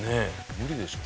無理でしょ。